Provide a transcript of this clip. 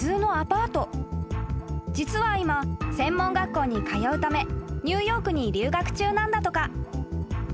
［実は今専門学校に通うためニューヨークに留学中なんだとか］